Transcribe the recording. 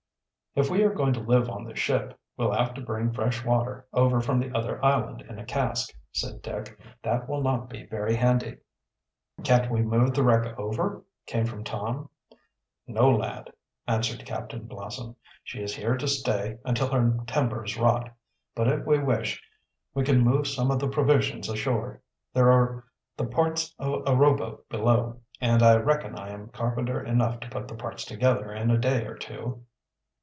"If we are going to live on the ship, we'll have to bring fresh water over from the other island in a cask," said Dick. "That will not be very handy." "Can't we move the wreck over?" came from Tom. "No, lad," answered Captain Blossom. "She is here to stay until her timbers rot. But if we wish, we can move some of the provisions ashore. There are the parts of a rowboat below, and I reckon I am carpenter enough to put the parts together in a day or two."